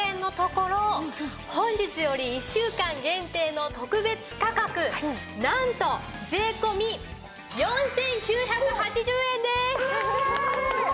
本日より１週間限定の特別価格なんと税込４９８０円です！